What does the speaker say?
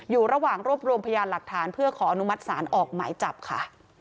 อยู่ระหว่างรวบรวมพยานหลักฐานเพื่อขออนุมัติศาลออกหมายจับค่ะ